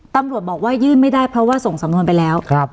ตำรวจบอกว่ายื่นไม่ได้เพราะว่าส่งสำนวนไปแล้ว